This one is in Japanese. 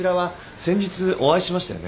先日お会いしましたよね？